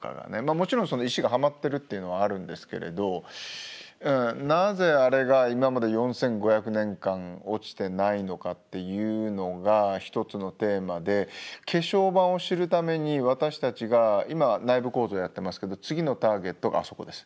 もちろん石がはまってるっていうのはあるんですけれどなぜあれが今まで４，５００年間落ちてないのかっていうのが一つのテーマで化粧板を知るために私たちが今内部構造をやっていますけど次のターゲットがあそこです。